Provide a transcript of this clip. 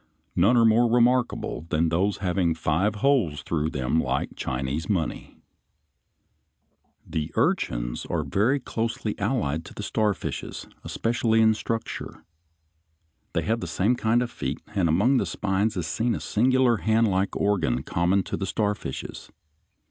None are more remarkable than those having five holes through them like Chinese money (Fig. 54). [Illustration: FIG. 54. Flat sea urchin, "sand dollar."] The urchins are very closely allied to the starfishes, especially in structure. They have the same kind of feet, and among the spines is seen a singular handlike organ common to the starfishes.